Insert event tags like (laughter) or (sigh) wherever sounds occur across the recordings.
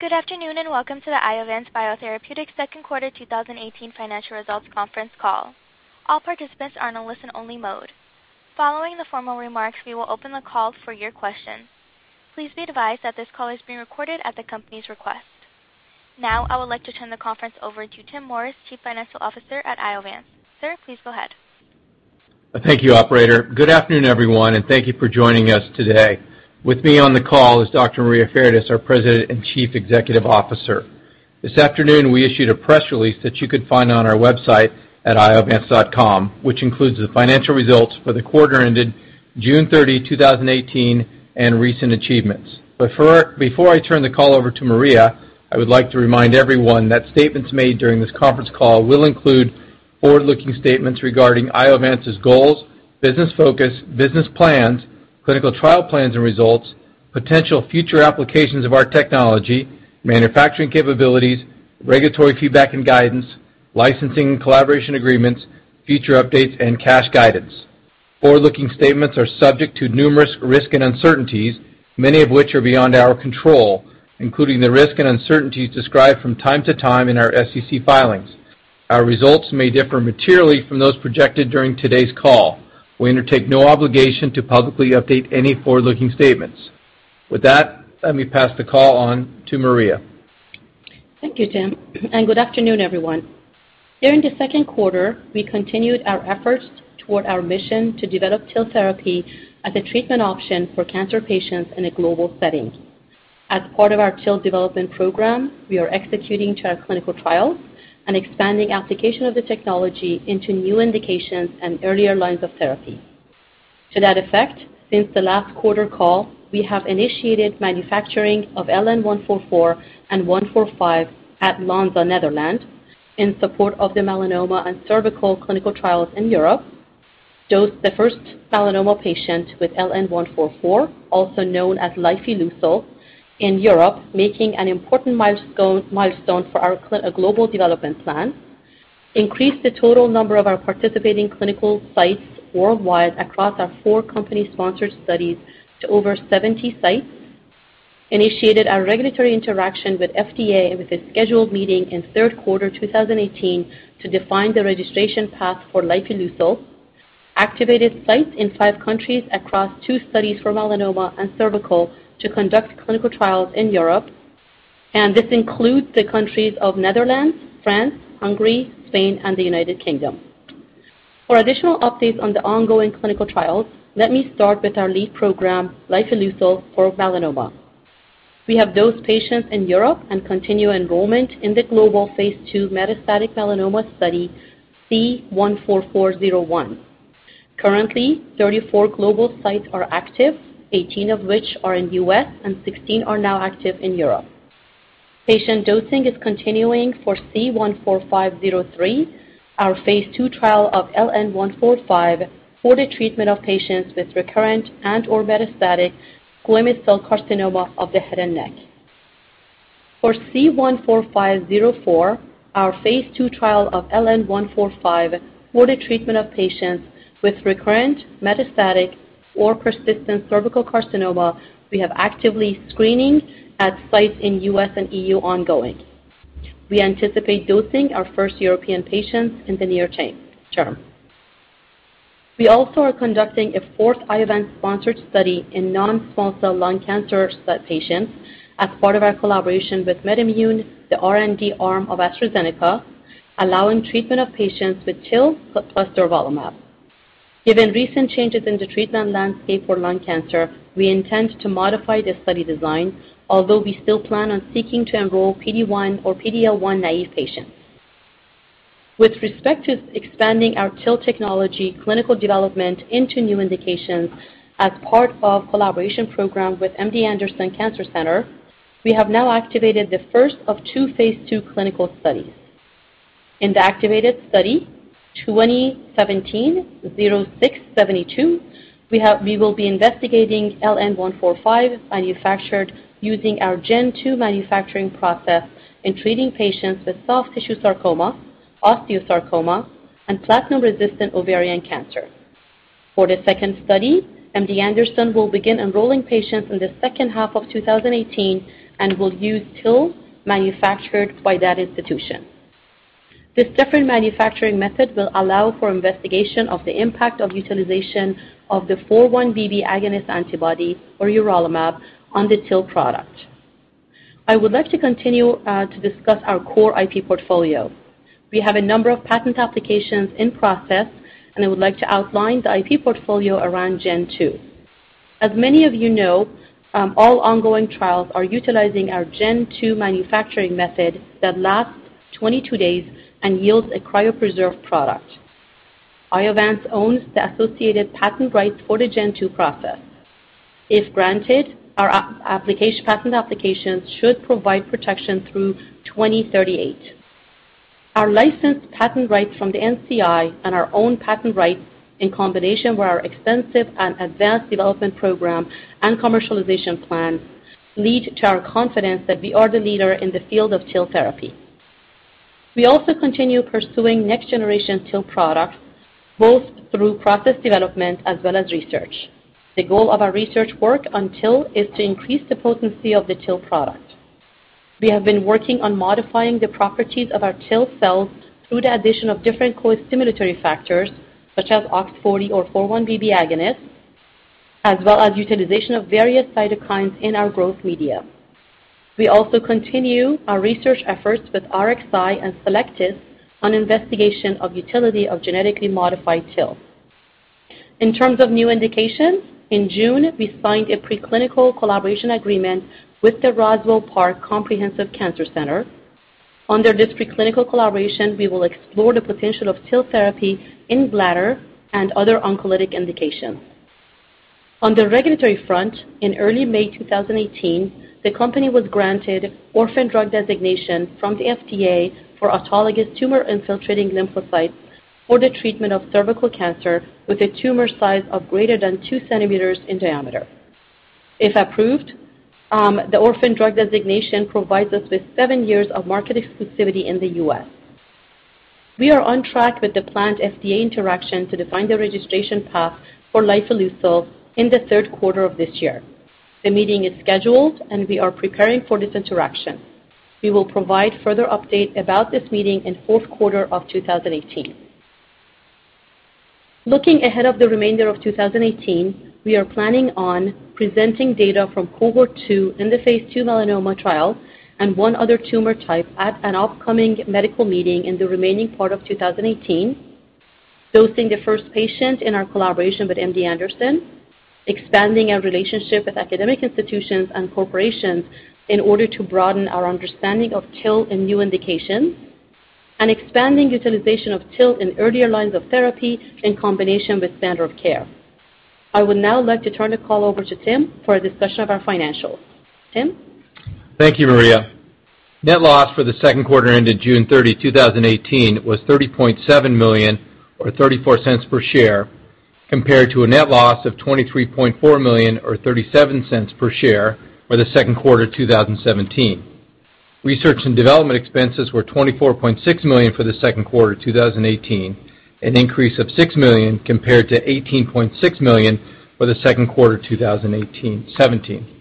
Good afternoon, welcome to the Iovance Biotherapeutics second quarter 2018 financial results conference call. All participants are in a listen-only mode. Following the formal remarks, we will open the call for your questions. Please be advised that this call is being recorded at the company's request. Now, I would like to turn the conference over to Tim Morris, Chief Financial Officer at Iovance. Sir, please go ahead. Thank you, operator. Good afternoon, everyone, thank you for joining us today. With me on the call is Dr. Maria Fardis, our President and Chief Executive Officer. This afternoon, we issued a press release that you can find on our website at iovance.com, which includes the financial results for the quarter ended June 30, 2018, and recent achievements. Before I turn the call over to Maria, I would like to remind everyone that statements made during this conference call will include forward-looking statements regarding Iovance's goals, business focus, business plans, clinical trial plans and results, potential future applications of our technology, manufacturing capabilities, regulatory feedback and guidance, licensing and collaboration agreements, future updates, and cash guidance. Forward-looking statements are subject to numerous risks and uncertainties, many of which are beyond our control, including the risks and uncertainties described from time to time in our SEC filings. Our results may differ materially from those projected during today's call. We undertake no obligation to publicly update any forward-looking statements. With that, let me pass the call on to Maria. Thank you, Tim, good afternoon, everyone. During the second quarter, we continued our efforts toward our mission to develop TIL therapy as a treatment option for cancer patients in a global setting. As part of our TIL development program, we are executing clinical trials and expanding application of the technology into new indications and earlier lines of therapy. To that effect, since the last quarter call, we have initiated manufacturing of LN-144 and LN-145 at Lonza, Netherlands in support of the melanoma and cervical clinical trials in Europe, dosed the first melanoma patient with LN-144, also known as lifileucel, in Europe, making an important milestone for our global development plan, increased the total number of our participating clinical sites worldwide across our four company-sponsored studies to over 70 sites, initiated our regulatory interaction with FDA with a scheduled meeting in third quarter 2018 to define the registration path for lifileucel, activated sites in five countries across two studies for melanoma and cervical to conduct clinical trials in Europe, and this includes the countries of Netherlands, France, Hungary, Spain, and the United Kingdom. For additional updates on the ongoing clinical trials, let me start with our lead program, lifileucel for melanoma. We have dosed patients in Europe and continue enrollment in the global phase II metastatic melanoma study, C-144-01. Currently, 34 global sites are active, 18 of which are in the U.S., and 16 are now active in Europe. Patient dosing is continuing for C-145-03, our phase II trial of LN-145 for the treatment of patients with recurrent and/or metastatic squamous cell carcinoma of the head and neck. For C-145-04, our phase II trial of LN-145 for the treatment of patients with recurrent, metastatic, or persistent cervical carcinoma, we have actively screening at sites in U.S. and EU ongoing. We anticipate dosing our first European patients in the near term. We also are conducting a fourth Iovance-sponsored study in non-small cell lung cancer (inaudible) patients as part of our collaboration with MedImmune, the R&D arm of AstraZeneca, allowing treatment of patients with TIL plus durvalumab. Given recent changes in the treatment landscape for lung cancer, we intend to modify the study design, although we still plan on seeking to enroll PD-1 or PD-L1 naive patients. With respect to expanding our TIL technology clinical development into new indications as part of collaboration program with MD Anderson Cancer Center, we have now activated the first of two phase II clinical studies. In the activated study, 2017-0672, we will be investigating LN-145 manufactured using our Gen 2 manufacturing process in treating patients with soft tissue sarcoma, osteosarcoma, and platinum-resistant ovarian cancer. For the second study, MD Anderson will begin enrolling patients in the second half of 2018 and will use TIL manufactured by that institution. This different manufacturing method will allow for investigation of the impact of utilization of the 4-1BB agonist antibody, or urelumab, on the TIL product. I would like to continue to discuss our core IP portfolio. We have a number of patent applications in process, and I would like to outline the IP portfolio around Gen 2. As many of you know, all ongoing trials are utilizing our Gen 2 manufacturing method that lasts 22 days and yields a cryopreserved product. Iovance owns the associated patent rights for the Gen 2 process. If granted, our patent applications should provide protection through 2038. Our licensed patent rights from the NCI and our own patent rights in combination with our extensive and advanced development program and commercialization plans lead to our confidence that we are the leader in the field of TIL therapy. We also continue pursuing next generation TIL products, both through process development as well as research. The goal of our research work on TIL is to increase the potency of the TIL product. We have been working on modifying the properties of our TIL cells through the addition of different co-stimulatory factors such as OX40 or 4-1BB agonists, as well as utilization of various cytokines in our growth media. We also continue our research efforts with RXi and Cellectis on investigation of utility of genetically modified TIL. In terms of new indications, in June, we signed a preclinical collaboration agreement with the Roswell Park Comprehensive Cancer Center. Under this preclinical collaboration, we will explore the potential of TIL therapy in bladder and other oncolytic indications. On the regulatory front, in early May 2018, the company was granted Orphan Drug Designation from the FDA for autologous tumor-infiltrating lymphocytes for the treatment of cervical cancer with a tumor size of greater than two centimeters in diameter. If approved, the Orphan Drug Designation provides us with seven years of market exclusivity in the U.S. We are on track with the planned FDA interaction to define the registration path for lifileucel in the third quarter of this year. The meeting is scheduled, and we are preparing for this interaction. We will provide further update about this meeting in fourth quarter of 2018. Looking ahead of the remainder of 2018, we are planning on presenting data from cohort 2 in the phase II melanoma trial and one other tumor type at an upcoming medical meeting in the remaining part of 2018, dosing the first patient in our collaboration with MD Anderson, expanding our relationship with academic institutions and corporations in order to broaden our understanding of TIL in new indications, and expanding utilization of TIL in earlier lines of therapy in combination with standard of care. I would now like to turn the call over to Tim for a discussion of our financials. Tim? Thank you, Maria. Net loss for the second quarter ended June 30, 2018, was $30.7 million or $0.34 per share, compared to a net loss of $23.4 million or $0.37 per share for the second quarter 2017. Research and development expenses were $24.6 million for the second quarter 2018, an increase of $6 million compared to $18.6 million for the second quarter 2017.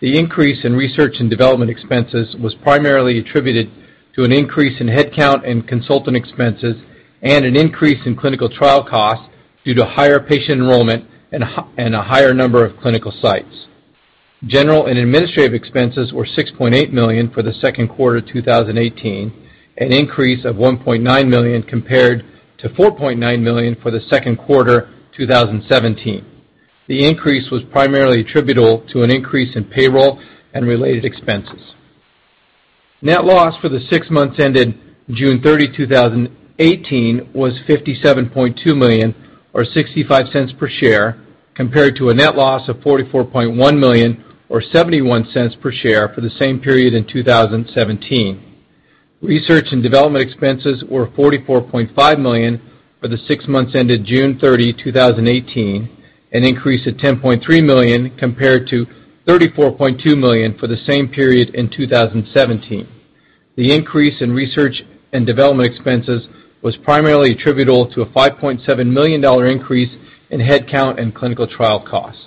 The increase in research and development expenses was primarily attributed to an increase in headcount and consultant expenses and an increase in clinical trial costs due to higher patient enrollment and a higher number of clinical sites. General and administrative expenses were $6.8 million for the second quarter 2018, an increase of $1.9 million compared to $4.9 million for the second quarter 2017. The increase was primarily attributable to an increase in payroll and related expenses. Net loss for the six months ended June 30, 2018, was $57.2 million or $0.65 per share, compared to a net loss of $44.1 million or $0.71 per share for the same period in 2017. Research and development expenses were $44.5 million for the six months ended June 30, 2018, an increase of $10.3 million compared to $34.2 million for the same period in 2017. The increase in research and development expenses was primarily attributable to a $5.7 million increase in headcount and clinical trial costs.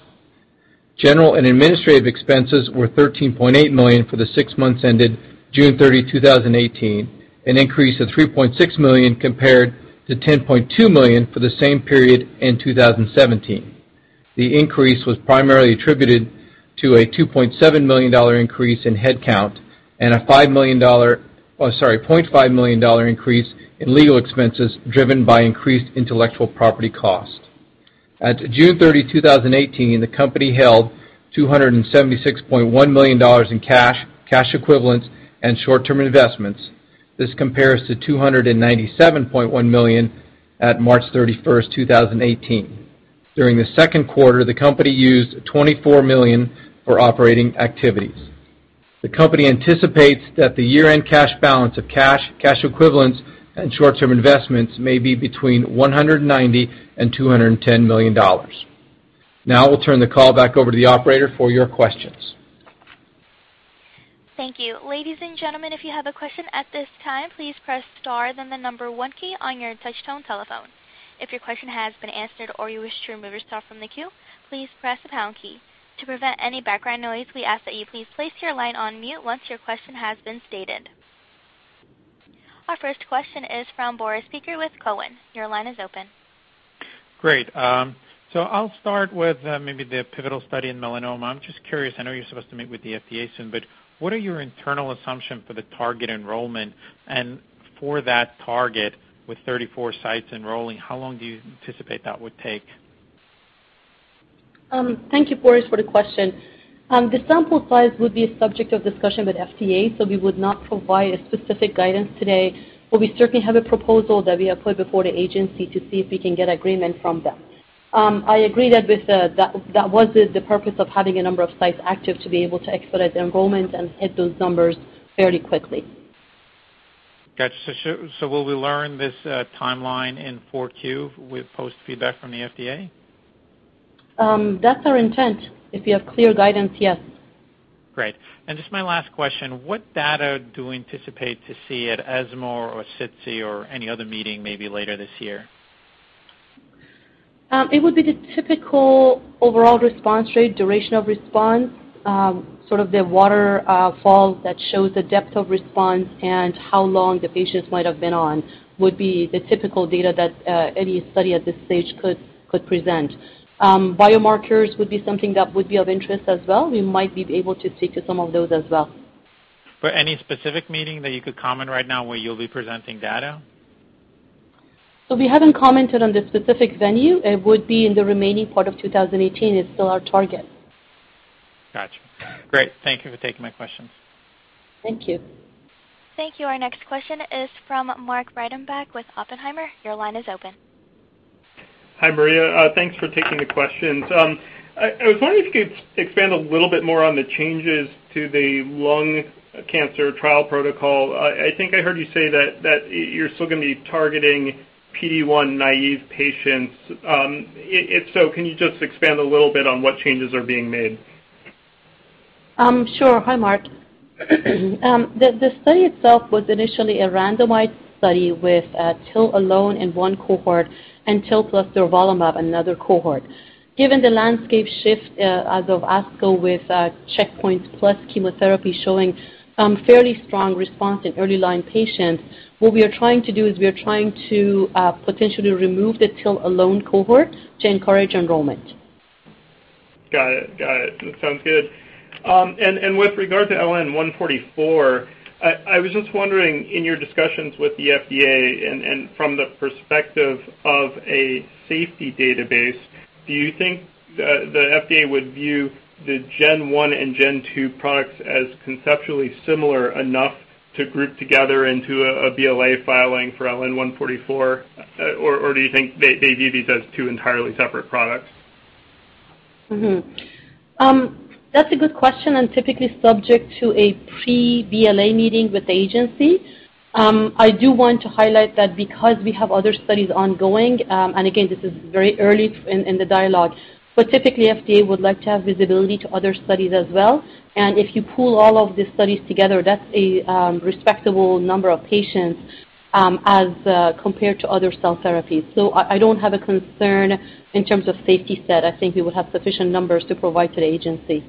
General and administrative expenses were $13.8 million for the six months ended June 30, 2018, an increase of $3.6 million compared to $10.2 million for the same period in 2017. The increase was primarily attributed to a $2.7 million increase in headcount and a $0.5 million increase in legal expenses driven by increased intellectual property cost. At June 30, 2018, the company held $276.1 million in cash equivalents, and short-term investments. This compares to $297.1 million at March 31, 2018. During the second quarter, the company used $24 million for operating activities. The company anticipates that the year-end cash balance of cash equivalents, and short-term investments may be between $190 and $210 million. I will turn the call back over to the operator for your questions. Thank you. Ladies and gentlemen, if you have a question at this time, please press star then the number one key on your touchtone telephone. If your question has been answered or you wish to remove yourself from the queue, please press the pound key. To prevent any background noise, we ask that you please place your line on mute once your question has been stated. Our first question is from Boris Peaker with Cowen. Your line is open. Thank you, Boris, for the question. The sample size would be a subject of discussion with FDA. We would not provide a specific guidance today, but we certainly have a proposal that we have put before the agency to see if we can get agreement from them. I agree that was the purpose of having a number of sites active to be able to expedite the enrollment and hit those numbers fairly quickly. Got you. Will we learn this timeline in 4Q with post feedback from the FDA? That's our intent. If you have clear guidance, yes. Great. Just my last question, what data do we anticipate to see at ESMO or SITC or any other meeting maybe later this year? It would be the typical overall response rate, duration of response, sort of the waterfall that shows the depth of response and how long the patients might have been on would be the typical data that any study at this stage could present. Biomarkers would be something that would be of interest as well. We might be able to speak to some of those as well. For any specific meeting that you could comment right now where you'll be presenting data? We haven't commented on the specific venue. It would be in the remaining part of 2018 is still our target. Got you. Great. Thank you for taking my questions. Thank you. Thank you. Our next question is from Mark Breidenbach with Oppenheimer. Your line is open. Hi, Maria. Thanks for taking the questions. I was wondering if you could expand a little bit more on the changes to the lung cancer trial protocol. I think I heard you say that you're still going to be targeting PD-1 naive patients. If so, can you just expand a little bit on what changes are being made? Sure. Hi, Mark. The study itself was initially a randomized study with TIL alone in one cohort and TIL plus durvalumab, another cohort. Given the landscape shift as of ASCO with checkpoints plus chemotherapy showing fairly strong response in early line patients, what we are trying to do is we are trying to potentially remove the TIL-alone cohort to encourage enrollment. Got it. That sounds good. With regard to LN-144, I was just wondering, in your discussions with the FDA and from the perspective of a safety database, do you think the FDA would view the Gen 1 and Gen 2 products as conceptually similar enough to group together into a BLA filing for LN-144? Do you think they view these as two entirely separate products? That's a good question, typically subject to a pre-BLA meeting with the agency. I do want to highlight that because we have other studies ongoing, and again, this is very early in the dialogue. Typically, FDA would like to have visibility to other studies as well, and if you pool all of the studies together, that's a respectable number of patients as compared to other cell therapies. I don't have a concern in terms of safety set. I think we would have sufficient numbers to provide to the agency.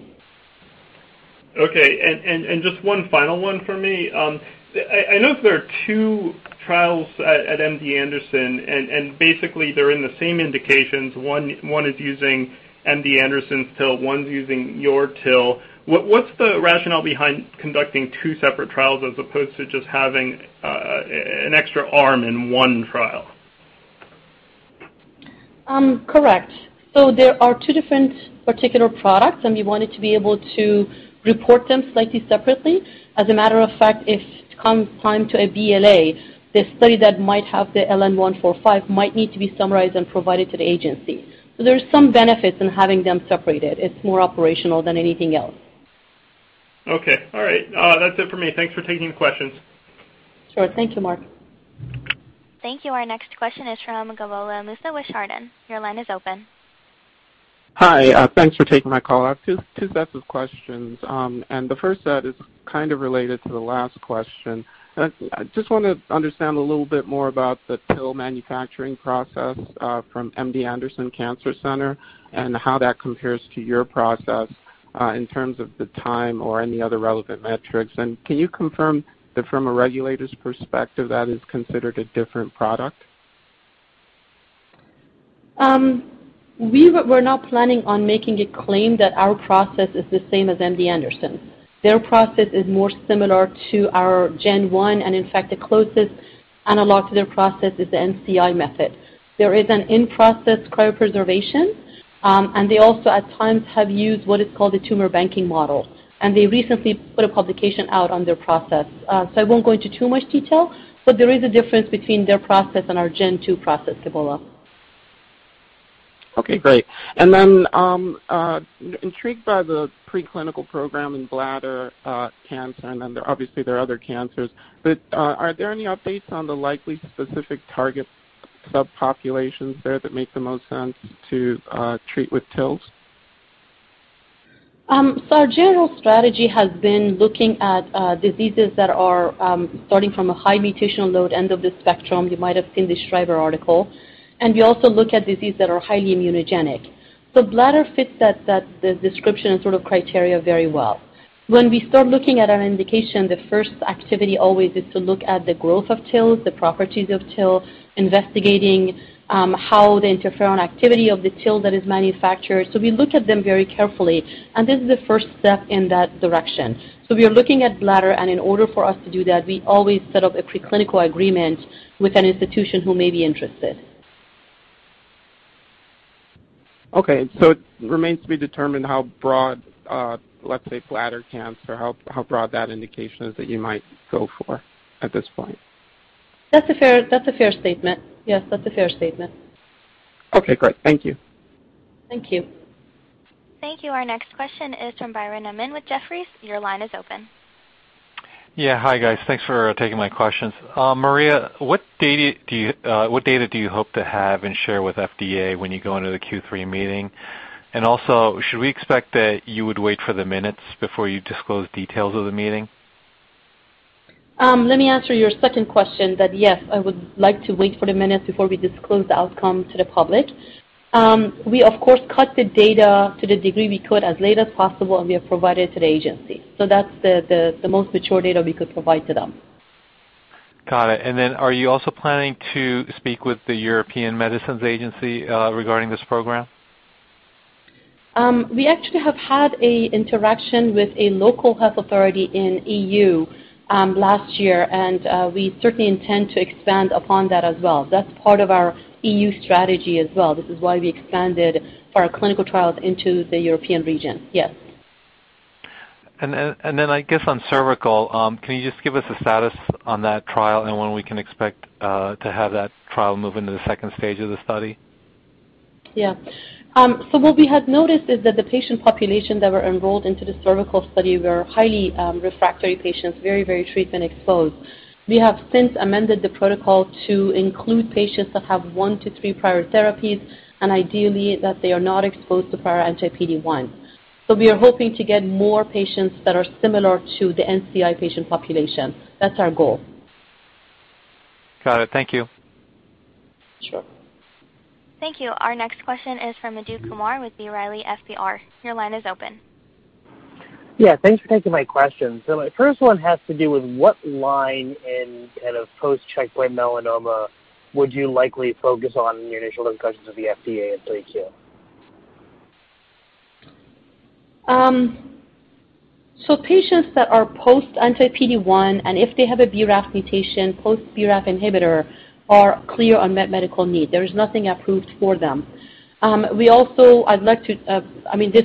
Okay. Just one final one for me. I know there are two trials at MD Anderson, and basically, they are in the same indications. One is using MD Anderson's TIL, one's using your TIL. What's the rationale behind conducting two separate trials as opposed to just having an extra arm in one trial? Correct. There are two different particular products, and we wanted to be able to report them slightly separately. As a matter of fact, if it comes time to a BLA, the study that might have the LN-145 might need to be summarized and provided to the agency. There's some benefits in having them separated. It's more operational than anything else. Okay. All right. That's it for me. Thanks for taking the questions. Sure. Thank you, Mark. Thank you. Our next question is from Gobola Musa with Hardin. Your line is open. Hi. Thanks for taking my call. I have two sets of questions. The first set is kind of related to the last question. I just want to understand a little bit more about the TIL manufacturing process from MD Anderson Cancer Center and how that compares to your process in terms of the time or any other relevant metrics. Can you confirm that from a regulator's perspective, that is considered a different product? We were not planning on making a claim that our process is the same as MD Anderson's. Their process is more similar to our Gen 1. In fact, the closest analog to their process is the NCI method. There is an in-process cryopreservation. They also at times have used what is called a tumor banking model. They recently put a publication out on their process. I won't go into too much detail, but there is a difference between their process and our Gen 2 process, Gobola. Okay, great. Then, intrigued by the preclinical program in bladder cancer. Obviously there are other cancers, but are there any updates on the likely specific target subpopulations there that make the most sense to treat with TILs? Our general strategy has been looking at diseases that are starting from a high mutational load end of the spectrum. You might have seen the Shriver article. We also look at diseases that are highly immunogenic. Bladder fits that description and sort of criteria very well. When we start looking at an indication, the first activity always is to look at the growth of TILs, the properties of TIL, investigating how the interferon activity of the TIL that is manufactured. We look at them very carefully, and this is the first step in that direction. We are looking at bladder, and in order for us to do that, we always set up a preclinical agreement with an institution who may be interested. It remains to be determined how broad, let's say, bladder cancer, how broad that indication is that you might go for at this point. That's a fair statement. Yes, that's a fair statement. Great. Thank you. Thank you. Thank you. Our next question is from Biren Amin with Jefferies. Your line is open. Yeah. Hi, guys. Thanks for taking my questions. Maria, what data do you hope to have and share with FDA when you go into the Q3 meeting? Also, should we expect that you would wait for the minutes before you disclose details of the meeting? Let me answer your second question that, yes, I would like to wait for the minutes before we disclose the outcome to the public. We, of course, cut the data to the degree we could as late as possible, and we have provided to the agency. That's the most mature data we could provide to them. Got it. Are you also planning to speak with the European Medicines Agency regarding this program? We actually have had a interaction with a local health authority in E.U. last year, we certainly intend to expand upon that as well. That's part of our E.U. strategy as well. This is why we expanded our clinical trials into the European region. Yes. I guess on cervical, can you just give us a status on that trial when we can expect to have that trial move into the stage 2 of the study? Yeah. What we have noticed is that the patient population that were enrolled into the cervical study were highly refractory patients, very treatment exposed. We have since amended the protocol to include patients that have one to three prior therapies ideally that they are not exposed to prior anti-PD-1. We are hoping to get more patients that are similar to the NCI patient population. That's our goal. Got it. Thank you. Sure. Thank you. Our next question is from Madhu Kumar with B. Riley FBR. Your line is open. Yeah. Thanks for taking my questions. My first one has to do with what line in kind of post-checkpoint melanoma would you likely focus on in your initial discussions with the FDA at 3Q? Patients that are post anti-PD-1, and if they have a BRAF mutation, post BRAF inhibitor are clear unmet medical need. There is nothing approved for them. This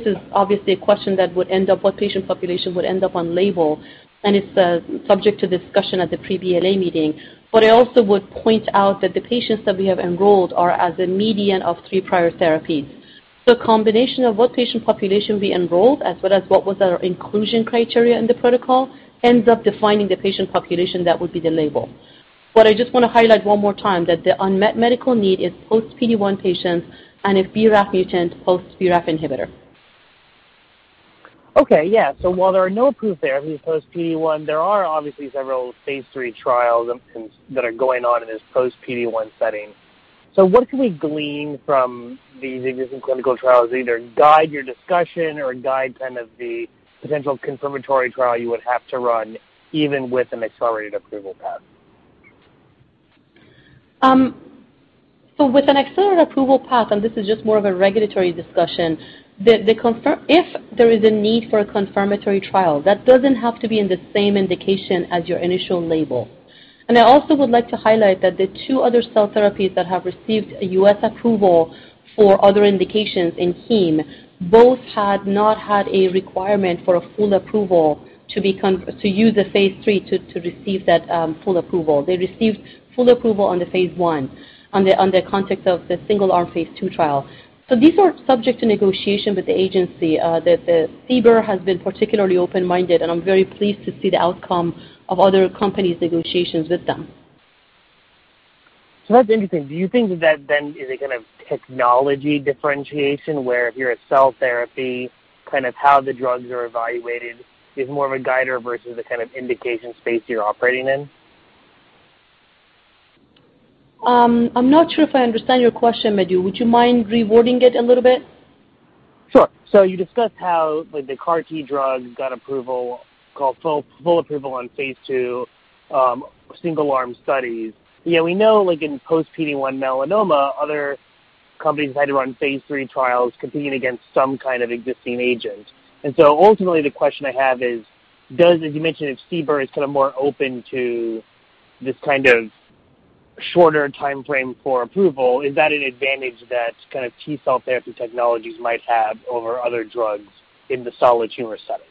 is obviously a question that what patient population would end up on label, and it's subject to discussion at the pre-BLA meeting. What I also would point out that the patients that we have enrolled are as a median of three prior therapies. Combination of what patient population we enrolled as well as what was our inclusion criteria in the protocol ends up defining the patient population that would be the label. What I just want to highlight one more time that the unmet medical need is post PD-1 patients and if BRAF mutant, post BRAF inhibitor. Okay. Yeah. While there are no approved therapies post PD-1, there are obviously several phase III trials that are going on in this post PD-1 setting. What can we glean from these existing clinical trials to either guide your discussion or guide kind of the potential confirmatory trial you would have to run even with an accelerated approval path? With an accelerated approval path, and this is just more of a regulatory discussion, if there is a need for a confirmatory trial, that doesn't have to be in the same indication as your initial label. I also would like to highlight that the two other cell therapies that have received a U.S. approval for other indications in heme, both had not had a requirement for a full approval to use the phase III to receive that full approval. They received full approval on the phase I, on the context of the single-arm phase II trial. These are subject to negotiation with the agency. The CBER has been particularly open-minded, and I'm very pleased to see the outcome of other companies' negotiations with them. That's interesting. Do you think that then is a kind of technology differentiation where if you're a cell therapy, kind of how the drugs are evaluated is more of a guider versus the kind of indication space you're operating in? I'm not sure if I understand your question, Madhu. Would you mind rewording it a little bit? Sure. You discussed how the CAR T drugs got approval, called full approval on phase II, single-arm studies. We know like in post PD-1 melanoma, other companies had to run phase III trials competing against some kind of existing agent. Ultimately, the question I have is, as you mentioned, if CBER is sort of more open to this kind of shorter timeframe for approval, is that an advantage that kind of T-cell therapy technologies might have over other drugs in the solid tumor setting?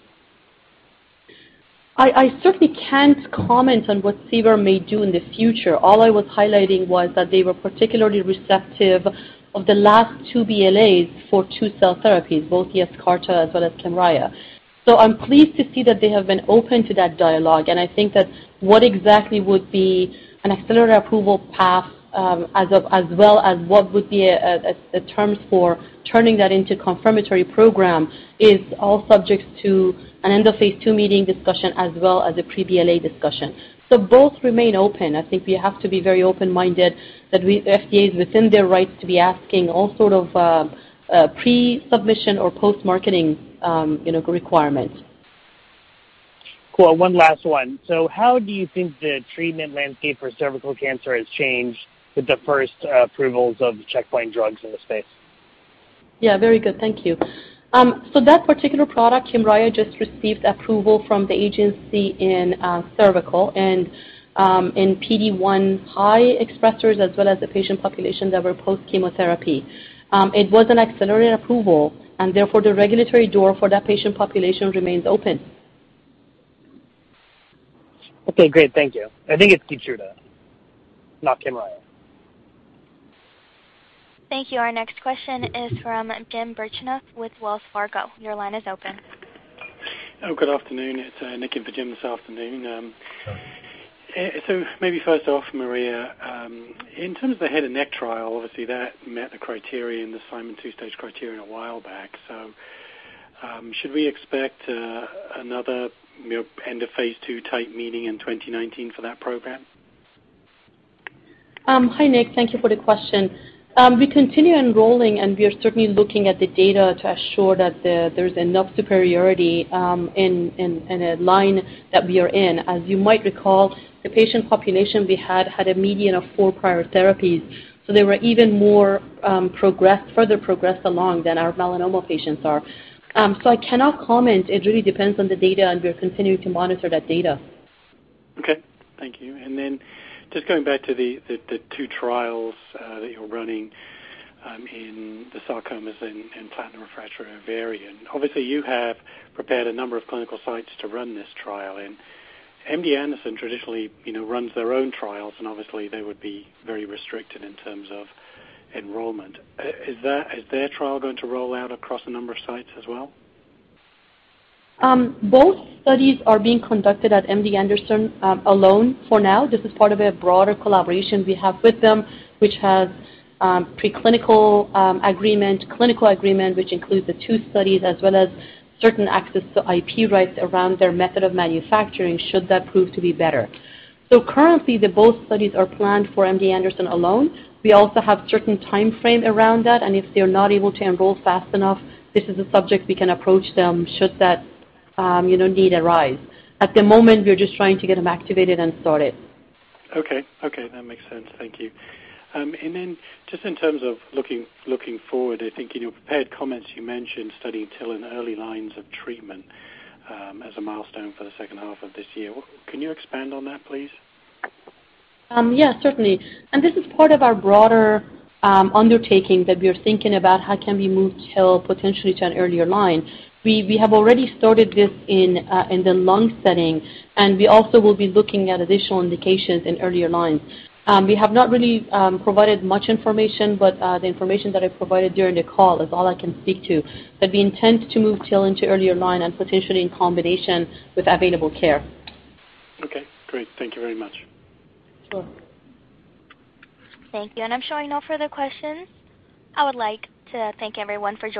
I certainly can't comment on what CBER may do in the future. All I was highlighting was that they were particularly receptive of the last two BLAs for two cell therapies, both Yescarta as well as Kymriah. I'm pleased to see that they have been open to that dialogue, and I think that what exactly would be an accelerated approval path, as well as what would be the terms for turning that into confirmatory program is all subject to an end of phase II meeting discussion as well as a pre-BLA discussion. Both remain open. I think we have to be very open-minded that FDA is within their rights to be asking all sort of pre-submission or post-marketing requirement. Cool. One last one. How do you think the treatment landscape for cervical cancer has changed with the first approvals of checkpoint drugs in the space? Yeah. Very good. Thank you. That particular product, Keytruda, just received approval from the agency in cervical and in PD-1 high expressors as well as the patient population that were post-chemotherapy. It was an accelerated approval, therefore the regulatory door for that patient population remains open. Okay, great. Thank you. I think it's Keytruda, not Keytruda. Thank you. Our next question is from Jim Birchenough with Wells Fargo. Your line is open. Good afternoon. It's Nick in for Jim this afternoon. Maybe first off, Maria, in terms of the head and neck trial, obviously that met the criterion, the Simon's two-stage criterion a while back. Should we expect another end-of-phase-II type 2 meeting in 2019 for that program? Hi, Nick. Thank you for the question. We continue enrolling, we are certainly looking at the data to assure that there's enough superiority in the line that we are in. As you might recall, the patient population we had had a median of four prior therapies, they were even more further progressed along than our melanoma patients are. I cannot comment. It really depends on the data, and we're continuing to monitor that data. Okay, thank you. Just going back to the two trials that you're running in the sarcomas and platinum-refractory ovarian. Obviously, you have prepared a number of clinical sites to run this trial, and MD Anderson traditionally runs their own trials, and obviously, they would be very restricted in terms of enrollment. Is their trial going to roll out across a number of sites as well? Both studies are being conducted at MD Anderson alone for now. This is part of a broader collaboration we have with them, which has preclinical agreement, clinical agreement, which includes the two studies, as well as certain access to IP rights around their method of manufacturing, should that prove to be better. Currently, the both studies are planned for MD Anderson alone. We also have certain timeframe around that, and if they're not able to enroll fast enough, this is a subject we can approach them should that need arise. At the moment, we are just trying to get them activated and sorted. Okay. That makes sense. Thank you. Just in terms of looking forward, I think in your prepared comments, you mentioned studying TIL in early lines of treatment as a milestone for the second half of this year. Can you expand on that, please? Yeah, certainly. This is part of our broader undertaking that we are thinking about how can we move TIL potentially to an earlier line. We have already started this in the lung setting, and we also will be looking at additional indications in earlier lines. We have not really provided much information, the information that I provided during the call is all I can speak to. We intend to move TIL into earlier line and potentially in combination with available care. Okay, great. Thank you very much. Sure. Thank you. I'm showing no further questions. I would like to thank everyone for joining us